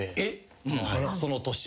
その年。